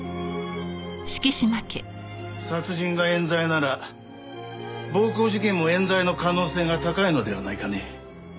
殺人が冤罪なら暴行事件も冤罪の可能性が高いのではないかね？